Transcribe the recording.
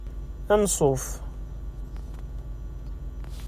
Anṣuf.